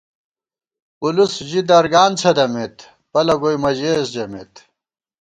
پُلُس ژی درگان څھدَمېت پَلہ گوئی مہ ژېس ژَمېت